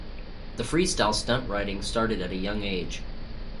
The Freestyle stunt riding started at a young age.